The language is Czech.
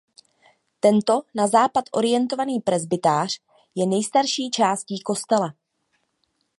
Tento na západ orientovaný presbytář je nejstarší částí kostela.